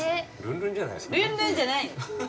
ルンルンじゃないよ！